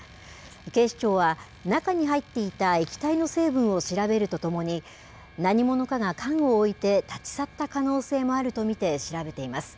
警視庁は、中に入っていた液体の成分を調べるとともに、何者かが缶を置いて立ち去った可能性もあると見て調べています。